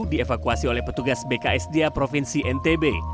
dievakuasi oleh petugas bksda provinsi ntb